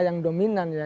yang dominan ya